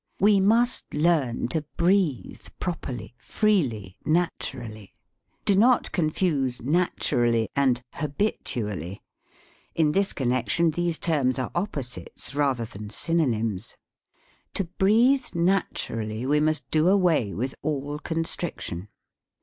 We must learn to breathe properly, freely, naturally. (Do not confuse " naturally" and " habitu ally." In this connection these terms are op posites rather than synonymes.) To breathe naturally we must do away with all con striction.